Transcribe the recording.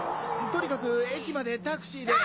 とにかく駅までタクシーで。